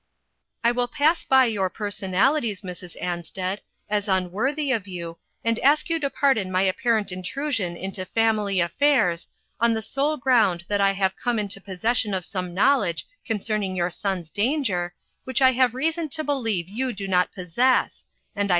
" I will pass by your personalities, Mrs. Ansted, as unworthy of you, and ask you to pardon my apparent intrusion into family affairs, on the sole ground that I have come into possession of some knowledge concerning your son'o danger which I have reason to believe you do not possess, and I UNPALATABLE TRUTHS.